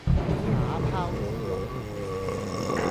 打拋豬肉末